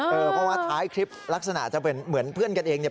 เพราะว่าท้ายคลิปลักษณะจะเป็นเหมือนเพื่อนกันเองเนี่ย